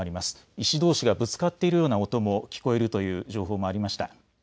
石どうしがぶつかっているような音も聞こえるという情報もありました。